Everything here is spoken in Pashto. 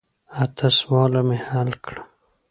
اته سواله مې حل کړه.